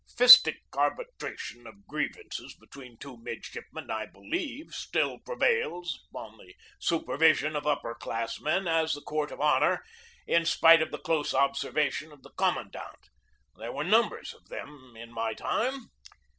Fistic arbitration of grievances between two mid shipmen, I believe, still prevails under the super vision of upper class men as the court of honor, in spite of the close observation of the commandant. There were numbers of them in my time.